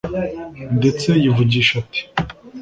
ndetse yivugisha ati”